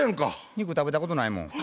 肉食べたことないもん。